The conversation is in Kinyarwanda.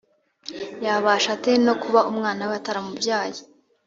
yabasha ate no kuba umwana we ataramubyaye